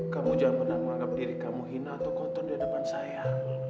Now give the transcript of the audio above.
kamu jangan pernah menganggap diri kamu hina atau kotor di hadapan saya